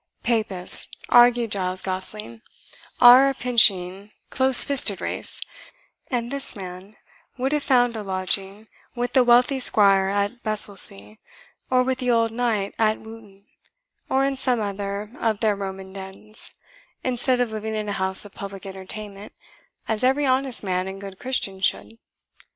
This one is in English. "Papists," argued Giles Gosling, "are a pinching, close fisted race, and this man would have found a lodging with the wealthy squire at Bessellsey, or with the old Knight at Wootton, or in some other of their Roman dens, instead of living in a house of public entertainment, as every honest man and good Christian should.